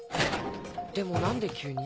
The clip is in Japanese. でも何で急に？